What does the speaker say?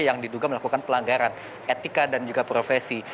yang diduga melakukan pelanggaran etika dan juga profesi